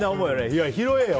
いや、拾えよ！